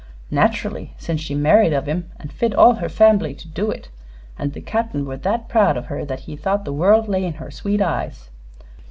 "Nat'rally, sense she married of him, an' fit all her fambily to do it. An' the Cap'n were thet proud o' her thet he thought the world lay in her sweet eyes."